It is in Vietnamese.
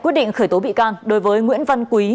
quyết định khởi tố bị can đối với nguyễn văn quý